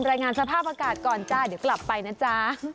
รายงานสภาพอากาศก่อนจ้าเดี๋ยวกลับไปนะจ๊ะ